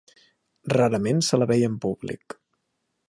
Rarament se la veia en públic.